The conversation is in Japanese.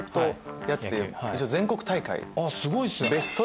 すごいっすね。